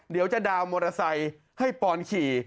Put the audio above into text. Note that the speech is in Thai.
เดี๋ยวจะดาวน์มอเตอร์ไซค์ให้ปอนขี่